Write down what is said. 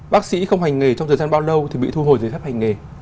bác sĩ không hành nghề trong thời gian bao lâu thì bị thu hồi giấy phép hành nghề